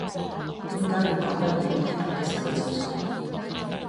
點解要講俾你聽我幾時去廁所